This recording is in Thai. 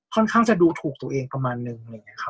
ค่อนข้างจะดูถูกตัวเองประมาณนึง